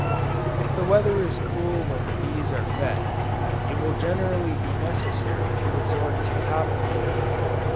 If the weather is cool when bees are fed, it will generally be necessary to resort to top feeding.